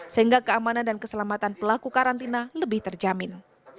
sehingga keamanan dan keselamatan pelaku karantina lebih terjamin